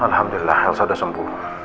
alhamdulillah elsa udah sembuh